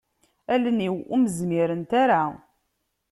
Allen-iw ur m-zmirent ara.